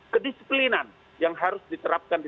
kedisiplinan yang harus diterapkan di